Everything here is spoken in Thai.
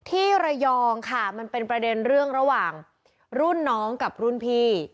ที่ระยองค่ะมันเป็นประเด็นเรื่องระหว่างรุ่นน้องกับรุ่นพี่